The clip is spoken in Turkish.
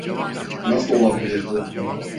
Nasıl olabilir bu?